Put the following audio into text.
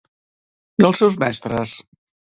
I els seus mestres?